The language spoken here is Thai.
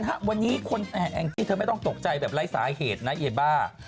ฮะวันนี้คนแองจี้เธอไม่ต้องตกใจแบบไร้สาเหตุนะยายบ้า